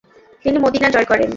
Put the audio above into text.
তিনি মদিনা জয় করেন।